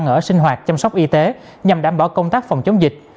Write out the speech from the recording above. ở sinh hoạt chăm sóc y tế nhằm đảm bảo công tác phòng chống dịch